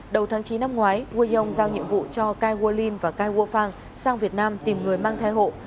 đầu tháng chín năm ngoái quê nhông giao nhiệm vụ cho cai guo lin và cai guo fang sang việt nam tìm người mang thai hộ